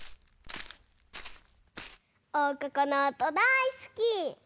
おうかこのおとだいすき！